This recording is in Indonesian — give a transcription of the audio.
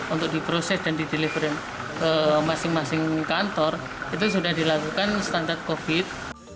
untuk diproses dan dideliver masing masing kantor itu sudah dilakukan standar covid